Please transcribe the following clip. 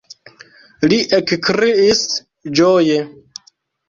li ekkriis ĝoje.